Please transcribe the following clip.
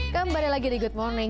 kembali lagi di good morning